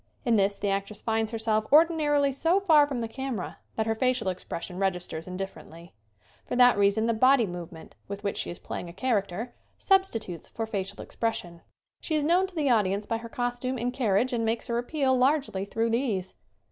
In this the actress finds herself ordinarily so far from the camera that her facial expression registers indifferently. For that reason the body move ment, with which she is playing a character, substitutes for facial expression. She is known 91 92 SCREEN ACTING to the audience by her costume and carriage and makes her appeal largely through these.